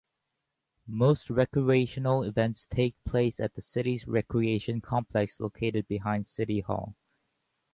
Most recreational events take place at the city's recreation complex located behind City Hall.